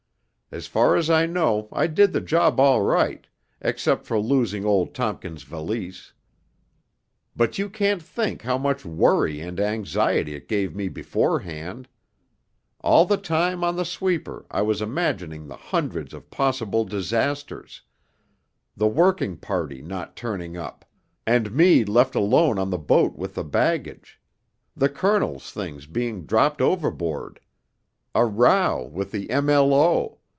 As far as I know I did the job all right, except for losing old Tompkins' valise but you can't think how much worry and anxiety it gave me beforehand. All the time on the sweeper I was imagining the hundreds of possible disasters: the working party not turning up, and me left alone on the boat with the baggage the Colonel's things being dropped overboard a row with the M.L.O.